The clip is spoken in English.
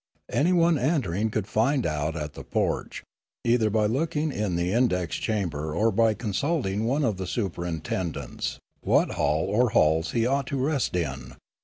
Anyone entering could find out at the porch, either by looking in the index chamber or by consulting one of the superintendents, what hall or halls he ought to rest in.